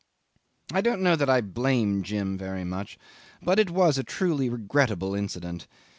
'I don't know that I blame Jim very much, but it was a truly regrettable incident.